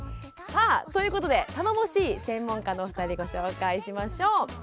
さあということで頼もしい専門家のお二人ご紹介しましょう。